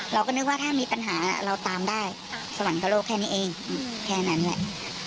เราก็นึกว่าถ้ามีปัญหาเราตามได้สวรรคโลกแค่นี้เองแค่นั้นแหละ